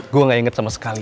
gue gak inget sama sekali